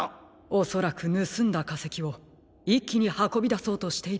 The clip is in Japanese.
おそらくぬすんだかせきをいっきにはこびだそうとしていたのでしょう。